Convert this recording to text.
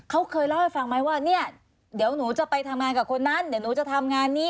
เขาเคยเล่าให้ฟังไหมว่าเนี่ยเดี๋ยวหนูจะไปทำงานกับคนนั้นเดี๋ยวหนูจะทำงานนี้